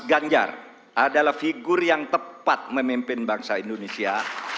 ganjar adalah figur yang tepat memimpin bangsa indonesia